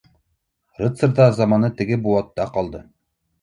Рыцарҙар заманы теге быуатта ҡалды